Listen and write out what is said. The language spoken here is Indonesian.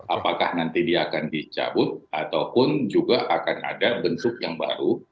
apakah nanti dia akan dicabut ataupun juga akan ada bentuk yang baru